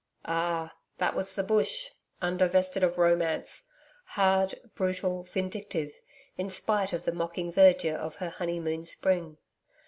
Ah! that was the bush, undivested of romance hard, brutal, vindictive, in spite of the mocking verdure of her honeymoon spring....